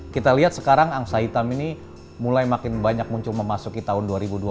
kita lihat sekarang angsa hitam ini mulai makin banyak muncul memasuki tahun dua ribu dua puluh